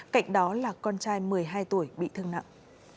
cạnh đó là con trai một mươi hai tuổi bị thương nặng